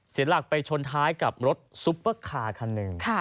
เสียหลักไปชนท้ายกับรถซุปเปอร์คาร์คันหนึ่ง